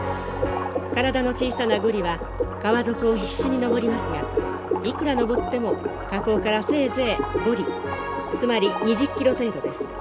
体の小さなゴリは川底を必死に上りますがいくら上っても河口からせいぜい５里つまり２０キロ程度です。